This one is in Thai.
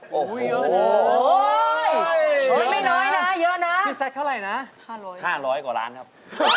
ขอบคุณมากครับพร้อมครับ